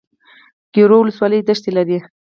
ګیرو ولسوالۍ دښتې لري؟